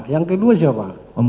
yang kedua siapa